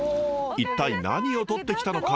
一体何をとってきたのか？